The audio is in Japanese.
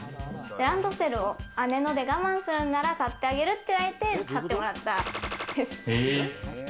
ランドセルを姉ので我慢するなら買ってあげると言われて買ってもらったです。